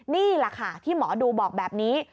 นี่แหละค่ะที่หมอดูบอกแบบนี้